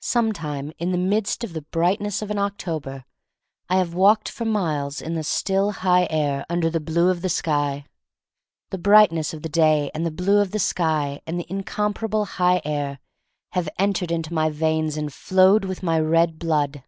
Sometime in the midst of the bright ness of an October I have walked for miles in the still high air under the blue THE STORY OF MARY MAC LANE 29 of the sky. The brightness of the day and the blue of the sky and the incom parable high air have entered into my veins and flowed with my red blood.